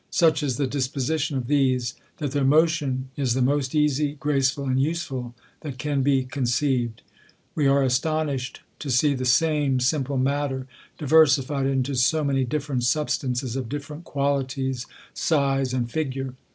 Such is the disposition of these, that their motion is the most easy, graceful, and useful, that can be conceived. We are astonished to see the same sim ple matter diversified into so many different substances, of different qualities, size, and figure.